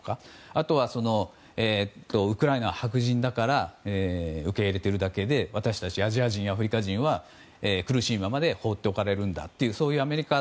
あとは、ウクライナは白人だから受け入れているだけで私たちアジア人やアフリカ人は苦しいままで放っておかれるんだというそういったアメリカ